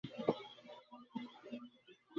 তিনি বিখ্যাত কাপ্টাইন তারা আবিষ্কার করেন।